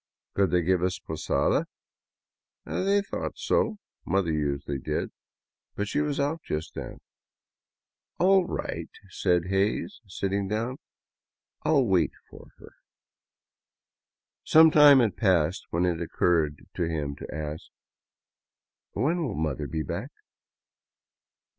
Could they give us posada? They thought so; mother usually did, but she was out just then. " All right," said Hays, sitting down, " I '11 wait for her." Some time had passed when it occurred to him to ask :" When will mother be back